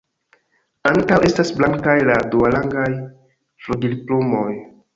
Ankaŭ estas blankaj la duarangaj flugilplumoj.